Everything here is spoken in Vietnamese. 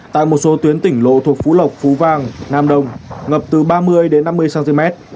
tại một số tuyến tỉnh lộ thuộc phú lộc phú vang nam đông ngập từ ba mươi đến năm mươi cm